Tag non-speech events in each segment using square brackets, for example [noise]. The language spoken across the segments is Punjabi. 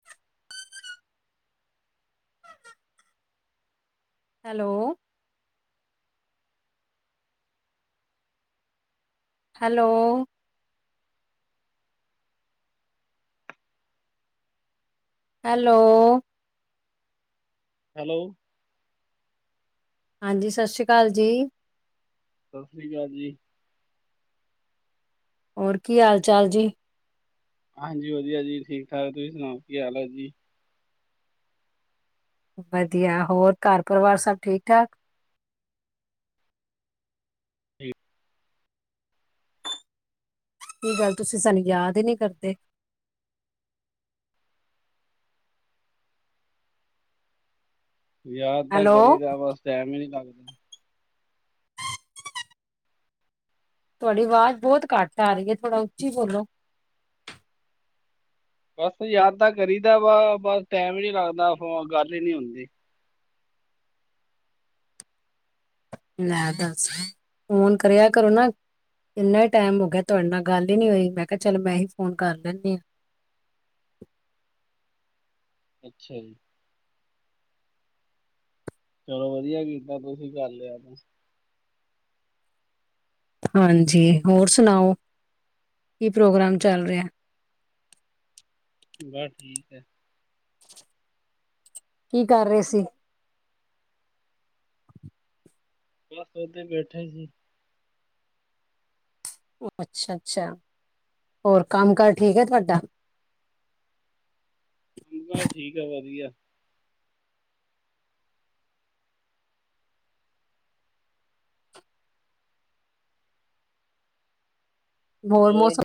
[inaudible] Hello hello hello. ਹੈਲੋ। ਹਾਂਜੀ, ਸ਼ਾਸਰੀ ਕਾਲ ਜੀ। ਸਾਸਰੀ ਕਾਲ ਜੀ। ਔਰ ਕੀ ਹਾਲ-ਚਾਲ ਜੀ? ਹਾਂਜੀ ਵਧੀਆ ਜੀ, ਠੀਕ-ਠਾਕ। ਤੁਹੀ ਸੁਣਾਓ, ਕੀ ਹਾਲ ਐ ਜੀ? ਵਧੀਆ, ਹੋਰ ਘਰ ਪਰਿਵਾਰ ਸਭ ਠੀਕ-ਠਾਕ? [inaudible] ਕੀ ਗੱਲ ਤੁਸੀਂ ਸਾਨੂੰ ਯਾਦ ਈ ਨੀ ਕਰਦੇ। ਯਾਦ ਤਾਂ ਹੈਲੋ, ਕਰੀ ਦਾ, ਬਸ ਟੈਂਮ ਈ ਨੀ ਲੱਗਦਾ। ਤੁਹਾਡੀ ਆਵਾਜ਼ ਬਹੁਤ ਘੱਟ ਆ ਰਹੀ ਐ। ਥੋੜਾ ਉੱਚੀ ਬੋਲੋ। ਬਸ ਯਾਦ ਤਾਂ ਕਰੀ ਦਾ ਵਾ। ਬਸ ਟੈਂਮ ਈ ਨੀ ਲੱਗਦਾ। ਫੋ ਗੱਲ ਈ ਨੀ ਹੁੰਦੀ। ਲੈ ਦੱਸ। ਫ਼ੋਨ ਕਰਿਆ ਕਰੋ ਨਾ ਇੰਨੇ ਟੈਂਮ ਹੋ ਗਿਆ, ਤੁਹਾਡੇ ਨਾਲ ਗੱਲ ਈ ਨੀ ਹੋਈ। ਮੈਂ ਕਿਹਾ ਚਲ, ਮੈਂ ਹੀ ਫ਼ੋਨ ਕਰ ਦੇਨੀ ਆ। ਅੱਛਾ ਜੀ। ਚਲੋ ਵਧੀਆ ਕੀਤਾ, ਤੁਸੀਂ ਕਰ ਲਿਆ ਤਾਂ। ਹਾਂਜੀ, ਹੋਰ ਸੁਣਾਓ? ਕੀ ਪ੍ਰੋਗਰਾਮ ਚੱਲ ਰਿਹਾ। ਬਸ ਠੀਕ ਐ। ਕੀ ਕਰ ਰਹੇ ਸੀ? ਬਸ ਓਦਾਂ ਈ ਬੈਠਾ ਈ ਸੀ। ਅੱਛਾ-ਅੱਛਾ। ਹੋਰ ਕੰਮ-ਕਾਰ ਠੀਕ ਐ ਤੁਵਾਡਾ? ਕਮ ਮੈਹਾ ਠੀਕ ਐ, ਵਧੀਆ। ਹੋਰ ਮੌਸਮ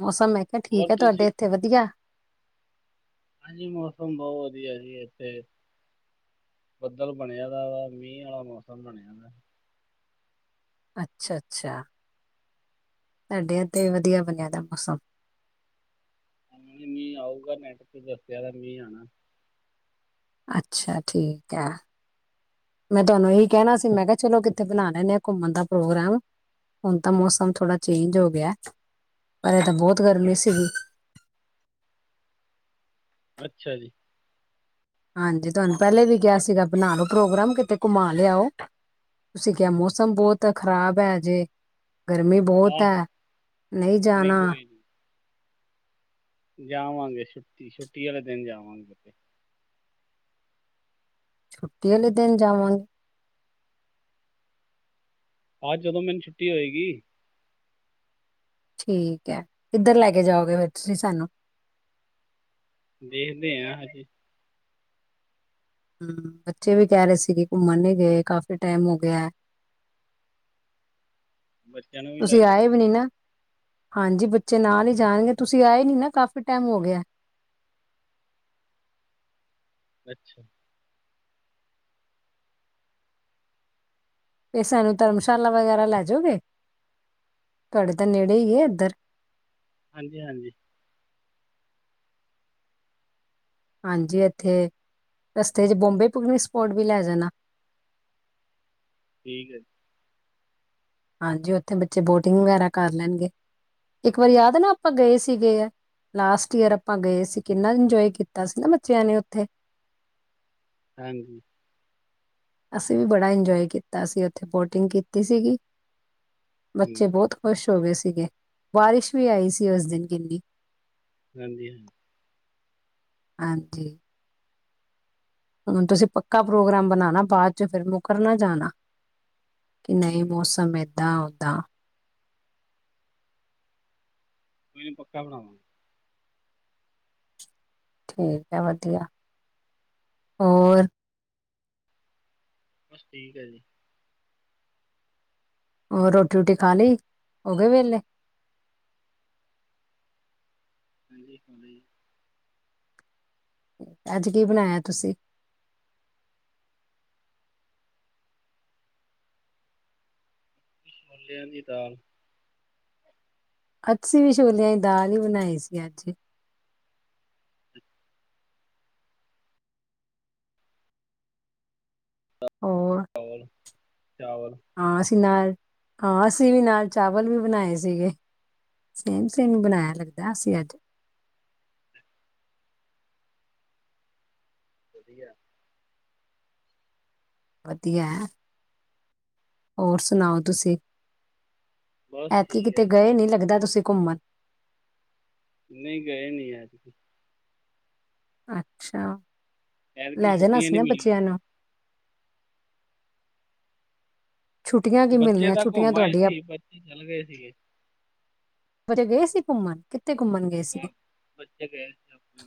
ਮੌਸਮ, ਮੈਂ ਕਿਹਾ ਠੀਕ ਹੋਰ ਆ। ਤੁਸੀਂ ਤੁਹਾਡੇ ਇੱਥੇ ਵਧੀਆ? ਹਾਂਜੀ, ਮੌਸਮ ਬਹੁਤ ਵਧੀਆ ਜੀ ਇੱਥੇ। ਬੱਦਲ ਬਣਿਆ ਦਾ ਵਾ। ਮੀਂਹ ਆਲਾ ਮੌਸਮ ਬਣਿਆ ਦਾ। ਅੱਛਾ-ਅੱਛਾ। ਸਾਡੇ ਐਥੇ ਵੀ ਵਧੀਆ ਬਣਿਆ ਦਾ ਮੌਸਮ। ਮੀਂ ਆਊਗਾ। ਨੈੱਟ ਤੇ ਦੱਸਿਆ ਦਾ, ਮੀਂਹ ਆਣਾ ਅੱਛਾ, ਠੀਕ ਆ। ਮੈਂ ਤੁਹਾਨੂੰ ਇਹੀ ਕਹਿਣਾ ਸੀ। ਮੈਂ ਕਿਹਾ ਚਲੋ, ਕਿੱਥੇ ਬਣਾ ਲੈਂਨੇ ਆ, ਘੁੰਮਣ ਦਾ ਪ੍ਰੋਗਰਾਮ। ਹੁਣ ਤਾਂ ਮੌਸਮ ਥੋੜਾ ਚੇਂਜ ਹੋ ਗਿਆ। ਪਹਿਲੇ ਤਾਂ ਬਹੁਤ ਗਰਮੀ ਸੀਗੀ। ਅੱਛਾ ਜੀ। ਹਾਂਜੀ, ਤੁਹਾਨੂੰ ਪਹਿਲੇ ਵੀ ਕਿਹਾ ਸੀਗਾ, ਬਣਾਲੋ ਪ੍ਰੋਗਰਾਮ। ਕਿਤੇ ਘੁੰਮਾ ਲਿਆਓ। ਤੁਸੀਂ ਕਿਹਾ ਮੌਸਮ ਬਹੁਤ ਖ਼ਰਾਬ ਐ ਹਜੇ। ਗਰਮੀ ਆਹ ਬਹੁਤ ਆ, ਨਹੀਂ ਜਾਣਾ। ਕੋਈ ਨੀ ਜਾਵਾਂਗੇ ਛੁੱਟੀ-ਛੁੱਟੀ ਆਲੇ ਦਿਨ ਜਾਵਾਂਗੇ ਤੇ। ਛੁੱਟੀ ਆਲੇ ਦਿਨ ਜਾਵਾਂਗੇ। ਆਹ ਜਦੋਂ ਮੈਨੂੰ ਛੁੱਟੀ ਹੋਏਗੀ। ਠੀਕ ਐ। ਕਿੱਧਰ ਲੈ ਕੇ ਜਾਓਗੇ ਫਿਰ ਤੁਸੀਂ ਸਾਨੂੰ। ਦੇਖਦੇ ਆ ਹਜੇ। ਹਮ ਬੱਚੇ ਵੀ ਕਹਿ ਰਹੇ ਸੀਗੇ। ਘੁੰਮਣ ਨੀ ਗਏ, ਕਾਫੀ ਟਾਈਮ ਹੋ ਗਿਆ। [inaudible] ਨੂੰ ਵੀ ਲੈ ਤੁਸੀਂ ਜਾਓ ਆਏ ਵੀ ਨੀ ਨਾ। ਹਾਂਜੀ, ਬੱਚੇ ਨਾਲ ਈ ਜਾਣਗੇ। ਤੁਸੀਂ ਆਏ ਨੀ ਨਾ, ਕਾਫ਼ੀ ਟਾਈਮ ਹੋ ਗਿਆ। ਅੱਛਾ। ਇਹ ਸਾਨੂੰ ਧਰਮਸ਼ਾਲਾ ਵਗੈਰਾ ਲੈ ਜਾਓਗੇ, ਤੁਹਾਡੇ ਤਾਂ ਨੇੜੇ ਈ ਐ ਇੱਧਰ ਹਾਂਜੀ, ਹਾਂਜੀ ਹਾਂਜੀ ਇੱਥੇ ਰਸਤੇ ਚ ਬੋਂਬੇ ਪਿਕਨਿਕ ਸਪੋਟ ਵੀ ਲੈ ਜਾਣਾ। ਠੀਕ ਐ ਜੀ। ਹਾਂਜੀ ਉੱਥੇ ਬੱਚੇ ਬੋਟਿੰਗ ਵਗੈਰਾ ਕਰ ਲੈਣਗੇ, ਇੱਕ ਵਾਰੀ ਯਾਦ ਨਾ ਆਪਾਂ ਗਏ ਸੀਗੇ ਆ ਲਾਸਟ ਈਅਰ ਆਪਾਂ ਗਏ ਸੀ ਕਿੰਨਾ ਇੰਜੋਏ ਕੀਤਾ ਸੀ ਨਾ ਬੱਚਿਆਂ ਨੇ ਉੱਥੇ ਹਾਂਜੀ ਅਸੀਂ ਵੀ ਬੜਾ ਇੰਜੋਏ ਕੀਤਾ ਸੀ ਉੱਥੇ ਬੋਟਿੰਗ ਕੀਤੀ ਸੀਗੀ ਹੂੰ ਬੱਚੇ ਬਹੁਤ ਖੁਸ਼ ਹੋ ਗਏ ਸੀਗੇ, ਬਾਰਿਸ਼ ਵੀ ਆਈ ਸੀ ਉਸ ਦਿਨ ਕਿੰਨੀ ਹਾਂਜੀ ਹਾਂ ਹਾਂਜੀ ਹੁਣ ਤੁਸੀਂ ਪੱਕਾ ਪ੍ਰੋਗਰਾਮ ਬਣਾਣਾ ਬਾਅਦ ਚ ਫਿਰ ਮੁੱਕਰਨਾ ਜਾਣਾ, ਕਿ ਨਹੀਂ ਠੀਕ ਹੈ ਮੌਸਮ ਸਮੇਦਾਂ, ਔਦਾ ਕੋਈ ਨ ਪੱਕਾ ਬਣਾਵਾਂ ਠੀਕ ਐ ਵਧੀਆ, ਹੋਰ ਬਸ ਠੀਕ ਐ ਜੀ। ਉਹ ਰੋਟੀ- ਰੋਟੀ ਖਾ ਲਈ, ਉਹਗੇ ਵੇਲੇ ਹਾਂਜੀ, ਹਜੀ ਅੱਜ ਕੀ ਬਣਾਇਆ ਤੁਸੀਂ ਛੋਲਿਆਂ ਦੀ ਦਾਲ ਅੱਸੀ ਵੀ ਛੋਲਿਆਂ ਈ ਦਾਲ ਈ ਬਣਾਈ ਸੀ ਅੱਜ ਹੋਰ ਚਲ ਚਾਵਲ ਹਾਂ ਅਸੀਂ ਨਾਲ, ਹਾਂ ਅਸੀਂ ਵੀ ਨਾਲ ਚਾਵਲ ਵੀ ਬਣਾਏ ਸੀਗੇ। ਸੇਮ- ਸੇਮ ਬਣਾਇਆ ਲੱਗਦਾ ਅਸੀ ਅੱਜ ਵਧੀਆ ਵਧੀਆ ਹੋਰ ਸੁਣਾਓ ਤੁਸੀਂ, ਬਸ ਐਤਕੀ ਠੀਕ ਕਿਤੇ ਹੈ ਗਏ ਨੀ ਲੱਗਦਾ ਤੁਸੀਂ ਘੁੰਮਣ ਨਹੀਂ ਗਏ ਨੀ ਐਤਕੀ ਅੱਛਾ, ਐਤਕੀ ਲੈ ਜਾਣਾ ਛੁੱਟੀਆਂ ਸੀ ਨਹੀਂ ਨਾ ਮਿਲੀਆਂ ਬੱਚਿਆਂ ਨੂੰ ਛੁੱਟੀਆਂ ਕੀ ਬੱਚੇ ਮਿਲਣੀਆਂ ਤਾਂ ਛੁੱਟੀਆਂ ਘੁੰਮ ਆਏ ਤੁਹਾਡੀਆਂ ਆਪ ਸੀ ਬੱਚੇ ਚਲੇ ਗਏ ਸੀਗੇ ਵਜੇ ਗਏ ਸੀ ਘੁੰਮਣ, ਕਿੱਥੇ ਘੁੰਮਣ ਗਏ ਸੀਗੇ ਹਾਂ ਬੱਚੇ ਗਏ ਸੀ ਆਪਣੇ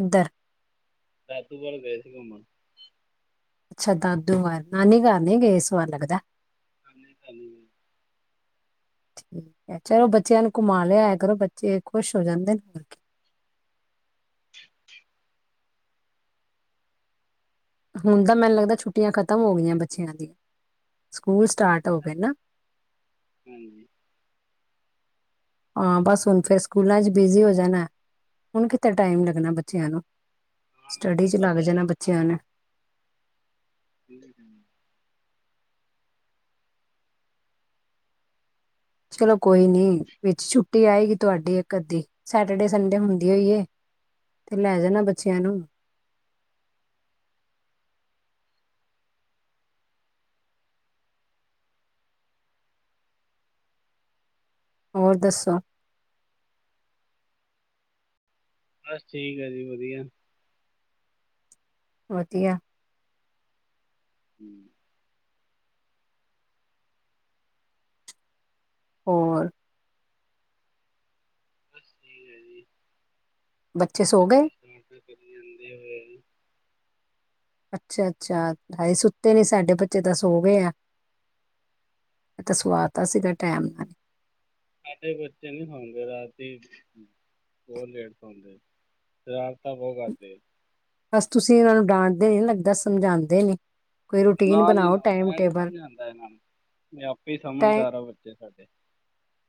ਇੱਧਰ ਰੇਤੂਵਾਲ ਗਏ ਸੀ ਘੁੰਮਣ ਅੱਛਾ ਦਾਦੂ ਘਰ ਨਾਨੀ ਘਰ ਨੀ ਗਏ ਇਸਵਾਲ ਲੱਗਦਾ ਕਰਨੇ ਚ ਨਹੀਂ ਠੀਕ ਐ, ਚਲੋ ਬੱਚਿਆਂ ਨੂੰ ਘੁਮਾ ਲਿਆਇਆ ਕਰੋ ਬੱਚੇ ਖੁਸ਼ ਹੋ ਜਾਂਦੇ ਨੇ ਹੋਰ ਕੀ ਹੁਣ ਤਾਂ ਮੈਨੂੰ ਲੱਗਦਾ ਛੁੱਟੀਆਂ ਖ਼ਤਮ ਹੋ ਗਈਆਂ ਬੱਚਿਆਂ ਦੀ ਸਕੂਲ ਸਟਾਰਟ ਹੋ ਗਏ ਨਾ। ਹਮ ਹਾਂ, ਬੱਸ ਹੁਣ ਫਿਰ ਸਕੂਲਾਂ ਚ ਬਿਜੀ ਹੋ ਜਾਣਾ। ਹੁਣ ਕਿੱਥੇ ਟਾਈਮ ਲੱਗਣਾ ਬੱਚਿਆਂ ਨੂੰ ਹਾਂ ਸਟੱਡੀ ਹੁਣ ਚ ਤਾਂ ਲੱਗ ਟਾਈਮ ਜਾਣਾ ਬੱਚਿਆਂ ਨੇ [inaudible] ਚਲੋ ਕੋਈ ਨੀ ਵਿੱਚ ਛੁੱਟੀ ਆਏਗੀ ਤੁਹਾਡੀ ਇੱਕ- ਅੱਧੀ ਸੈਟਰਡੇ- ਸੰਡੇ ਹੁੰਦੀ ਹੋਈਏ ਤੇ ਲੈ ਜਾਣਾ ਬੱਚਿਆਂ ਨੂੰ ਹੋਰ ਦੱਸੋ। ਬਸ ਠੀਕ ਐ ਜੀ, ਵਧੀਆ। ਵਧੀਆ। ਹੂੰ। ਹੋਰ ਬਸ ਠੀਕ ਐ ਜੀ। ਬੱਚੇ ਸੋ ਗਏ? [unintelligible] ਤੇ ਕਰੀ ਜਾਂਦੇ ਐ ਫੇਰ ਐ ਵੀ। ਅੱਛਾ-ਅੱਛਾ, ਹਜੇ ਸੁੱਤੇ ਨੀ, ਸਾਡੇ ਬੱਚੇ ਤਾਂ ਸੋ ਗਏ ਆ। ਮੈਂ ਤੇ ਸਵਾ ਤਾ ਸੀਗਾ ਟੈਮ ਨਾਲ ਈ। ਸਾਡੇ ਬੱਚੇ ਨੀ ਸੌਂਦੇ ਰਾਤੀ। ਬੋਹੋ ਲੇਟ ਸੌਂਦੇ, ਸ਼ਰਾਰਤਾਂ ਬੋਹੋ ਕਰਦੇ ਅ। ਬਸ ਤੁਸੀਂ ਏਨਾਂ ਨੂੰ ਡਾਂਟਦੇ ਨੀ, ਲੱਗਦੈ ਸਮਝਾਂਦੇ ਨੀ। ਨਾ ਜੀ ਨਾ ਮੈਂ ਨੀ ਸਮਝਾਂਦਾ ਏਨਾਂ ਨੂੰ, ਐ ਆਪੇ ਟਾਈਮ ਸਮਝਦਾਰ ਆ ਬੱਚੇ ਸਾਡੇ।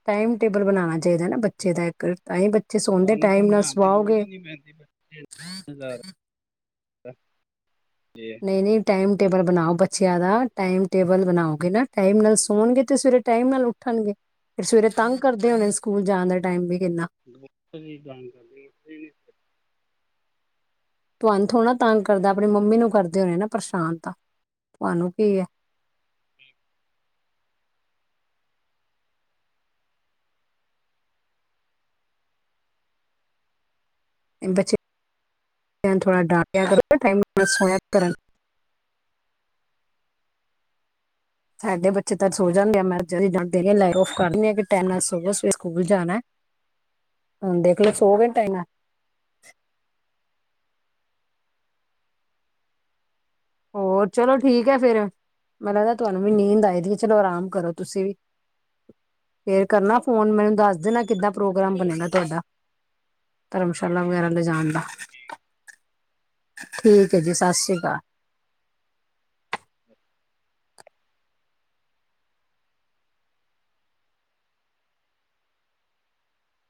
ਟਾਈਮ ਟੇਬਲ ਬਨਾਨਾ ਚਾਈਦੈ ਨਾ ਬੱਚੇ ਦਾ ਏੱ ਕ। ਤਾਂ ਹੀ ਬੱਚੇ ਸੌਂਦੇ ਸਾਨੂੰ ਟਾਈਮ ਨਾਲ ਸਮਝਾਉਣ ਦੀ ਲੋੜ ਸਵਾਓਗੇ ਜੀ। ਨਈ -ਨਈ ਟਾਈਮ ਟੇਬਲ ਬਨਾਓ ਬੱਚਿਆਂ ਦਾ। ਟਾਈਮ ਟੇਬਲ ਬਨਾਓਗੇ ਨਾ ਟਾਈਮ ਨਾਲ ਸੋਨਗੇ ਤੇ ਸਵੇਰੇ ਟਾਈਮ ਨਾਲ ਉੱ ਠਗੇ। ਫੇਰ ਸਵੇਰੇ ਤੰਗ ਕਰਦੇ ਹੋਨੇ ਸਕੂਲ ਜਾਨ ਦੇ ਟਾਈਮ ਵੀ ਕਿੰਨਾ। [unintelligible] ਤੁਆਨੂੰ ਥੋੜਾ ਨ ਤੰਗ ਕਰਦਾ, ਆਪਨੀ ਮੰਮੀ ਨੂੰ ਕਰਦੇ ਹੋਨੇ ਨਾ ਪਰਸ਼ਾਨ ਤਾਂ। ਤੁਆਨੂੰ ਕੀ ਏ। ਠੀ ਏਨ ਬੱਚੇ ਆਂ ਨੂੰ ਥੋੜਾ ਡਾਟਿਆ ਕਰੋ, ਟਾਈਮ ਨਾਲ ਸੋਇਆ ਕਰਨ। ਸਾਡੇ ਬੱਚੇ ਤਾਂ ਸੋ ਜਾਂਦੇ ਆ। ਮੈਂ ਚਲੀ ਜਾਂਦੀ ਆਂ ਯਾਂ ਲਾਈਟ ਓਫ ਕਰ ਦੇਨੀਂ ਆਂ ਕਿ ਟੈਮ ਨਾਲ ਸੋ ਜੋ ਸਵੇਰੇ ਸਕੂਲ ਜਾਨੈ। ਹੁਨ ਦੇਖ ਲੋ ਸੋ ਗੇ ਨਾ ਟਾਈਮ ਨਾਲ। ਹੋਰ ਚਲੋ ਠੀਕ ਐ ਫੇਰ। ਮੇਨੰ ਲੱਗਦੈ ਤੁਆਨੂੰ ਵੀ ਨੀਂਦ ਆਈ ਦੀ ਏ ਚਲੋ ਆਰਾਮ ਕਰੋ, ਤੁਸੀਂ ਵੀ। ਫੇਰ ਕਰਨਾ ਫੋਨ ਮੈਨੰ ਦੱਸ ਦੇਨਾ ਕਿੱਦਾਂ ਪ੍ਰੋਗਰਾਮ ਬਨੇਨੈ ਤੁਆਡਾ ਧਰਮਸ਼ਾਲਾ ਵਗੈਰਾ ਲਿਜਾਨ ਦਾ। ਠੀਕ ਐ ਜੀ, ਸਸ ਸ੍ਰੀ ਕਾਲ। [unintelligible]